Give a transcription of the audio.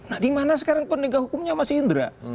nah dimana sekarang penegak hukumnya mas indra